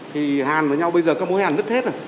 thì hàn với nhau bây giờ các mối hàn lứt hết rồi